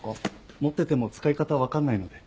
持ってても使い方分かんないので。